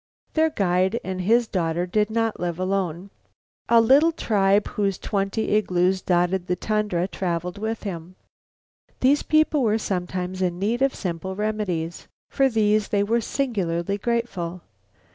Their guide and his daughter did not live alone. A little tribe whose twenty igloos dotted the tundra traveled with him. These people were sometimes in need of simple remedies. For these they were singularly grateful.